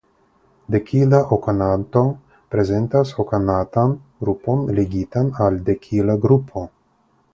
Dekila oktanato prezentas oktanatan grupon ligitan al dekila grupo.